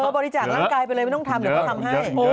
บริจาคร่างกายไปเลยไม่ต้องทำเดี๋ยวก็ทำให้